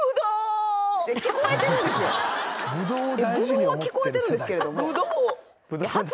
ブドウは聞こえてるんですけれども。